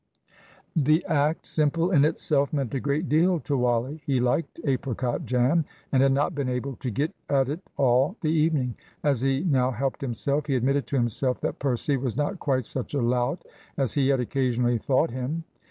The act, simple in itself, meant a great deal to Wally. He liked apricot jam, and had not been able to get at it all the evening. As he now helped himself he admitted to himself that Percy was not quite such a lout as he had occasionally thought him.